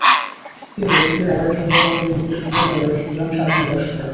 তিনি বলেছিলেন, এবারের সংগ্রাম আমাদের মুক্তির সংগ্রাম, এবারের সংগ্রাম স্বাধীনতার সংগ্রাম।